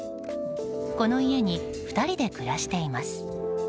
この家に２人で暮らしています。